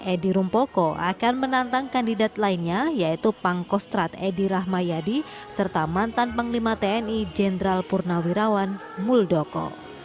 edi rumpoko akan menantang kandidat lainnya yaitu pangkostrat edi rahmayadi serta mantan panglima tni jenderal purnawirawan muldoko